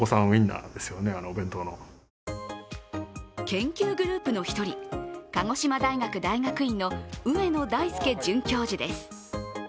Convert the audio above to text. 研究グループの１人、鹿児島大学大学院の上野大輔准教授です。